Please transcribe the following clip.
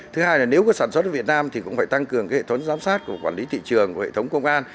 thứ hai là nếu có sản xuất ở việt nam thì cũng phải tăng cường hệ thống giám sát của quản lý thị trường của hệ thống công an